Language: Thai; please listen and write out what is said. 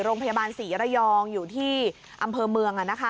โรงพยาบาลศรีระยองอยู่ที่อำเภอเมือง